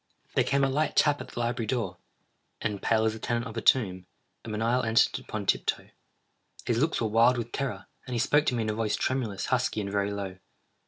There came a light tap at the library door—and, pale as the tenant of a tomb, a menial entered upon tiptoe. His looks were wild with terror, and he spoke to me in a voice tremulous, husky, and very low.